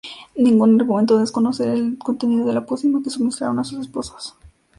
Ninguna argumentó desconocer el contenido de la "pócima" que suministraron a sus esposos.